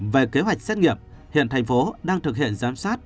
về kế hoạch xét nghiệm hiện thành phố đang thực hiện giám sát